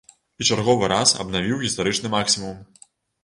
І чарговы раз абнавіў гістарычны максімум.